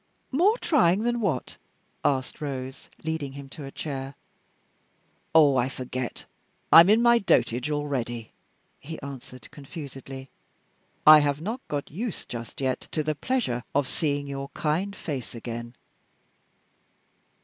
"More trying than what?" asked Rose, leading him to a chair. "Ah! I forget. I am in my dotage already!" he answered, confusedly. "I have not got used just yet to the pleasure of seeing your kind face again."